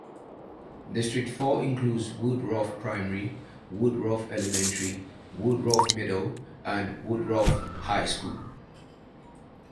District Four includes Woodruff Primary, Woodruff Elementary, Woodruff Middle, and Woodruff High School.